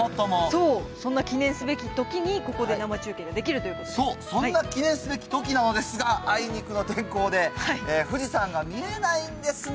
そう、そんな記念すべきときにここで生中継ができるというこそう、そんな記念すべき時なのですが、あいにくの天候で、富士山が見えないんですね。